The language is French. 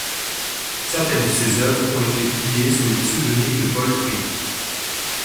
Certaines de ses œuvres ont été publiées sous le pseudonyme de Paul Pry.